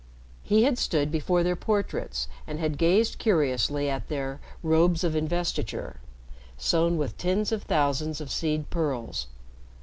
He had stood before their portraits and had gazed curiously at their "Robes of Investiture," sewn with tens of thousands of seed pearls.